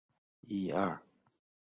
广大院。